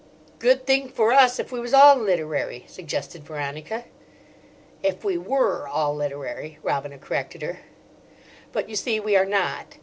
"Good thing for us if we was all literary," suggested Veronica. "If we 'were' all literary," Robina corrected her. "But you see we are not.